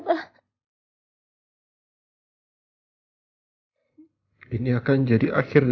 menggantikan anak anak kita